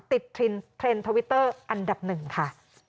ติดทินเทรนด์ทวิตเตอร์อันดับ๑ค่ะ